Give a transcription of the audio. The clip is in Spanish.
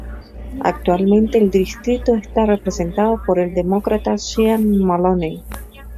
Actualmente el distrito está representado por el Demócrata Sean Maloney.